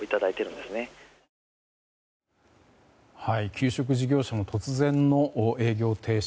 給食事業者の突然の営業停止。